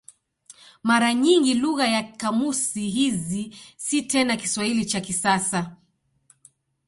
Mara nyingi lugha ya kamusi hizi si tena Kiswahili cha kisasa.